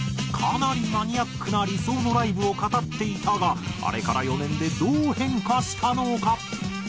かなりマニアックな理想のライブを語っていたがあれから４年でどう変化したのか？